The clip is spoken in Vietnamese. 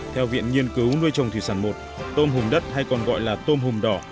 theo viện nghiên cứu nuôi trồng thủy sản một tôm hùm đất hay còn gọi là tôm hùm đỏ